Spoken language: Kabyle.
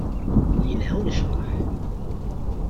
Yelha unecreḥ.